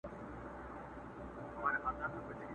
شور د کربلا کي به د شرنګ خبري نه کوو،